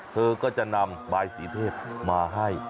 เธอก็จะนำบายสีเทพมาให้